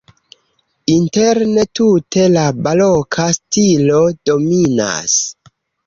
Interne tute la baroka stilo dominas.